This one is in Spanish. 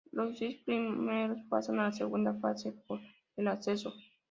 Los seis primeros pasan a la segunda fase por el Ascenso.